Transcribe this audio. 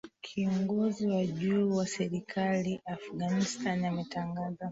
kiongozi wa juu wa serikali afghanistan ametangaza